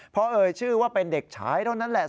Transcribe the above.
เพราะเอ่ยชื่อว่าเป็นเด็กฉายเท่านั้นแหละ